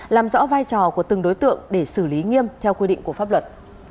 làm rõ vai trò của từng đối tượng để xử lý nghiêm theo quy định của pháp luật